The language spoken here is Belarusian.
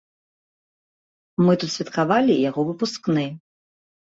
Мы тут святкавалі яго выпускны.